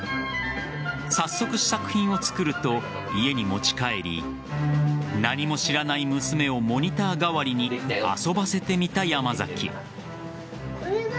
早速、試作品を作ると家に持ち帰り何も知らない娘をモニター代わりに遊ばせてみた山崎。